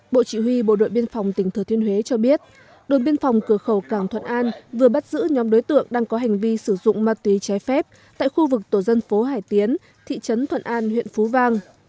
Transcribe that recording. bộ chỉ huy bộ đội biên phòng tỉnh thừa thiên huế cho biết đồn biên phòng cửa khẩu càng thuận an vừa bắt giữ nhóm đối tượng đang có hành vi sử dụng ma túy trái phép tại khu vực tổ dân phố hải tiến thị trấn thuận an huyện phú vang